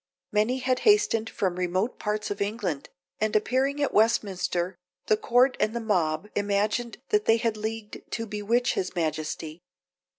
Many had hastened from remote parts of England, and appearing at Westminster, the court and the mob imagined that they had leagued to bewitch his majesty.